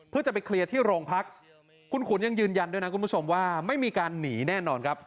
เพื่อจะไปเคลียร์ที่โรงพักคุณขุนยังยืนยันด้วยนะคุณผู้ชมว่าไม่มีการหนีแน่นอนครับ